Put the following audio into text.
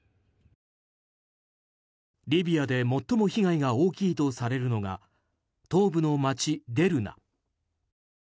リビアで最も被害が大きいとされるのが東部の街デルナ。